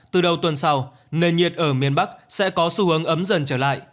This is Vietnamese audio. từ đầu tuần sau nền nhiệt ở miền bắc sẽ có xu hướng ấm dần trở lại